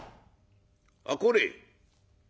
「あこれ。